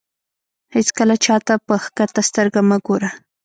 هېڅکله چاته په کښته سترګه مه ګوره.